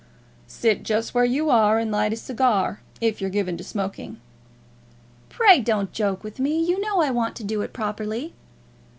"Sit just where you are and light a cigar, if you're given to smoking." "Pray don't joke with me. You know I want to do it properly."